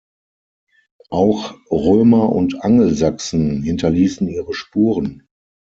Auch Römer und Angelsachsen hinterließen ihre Spuren.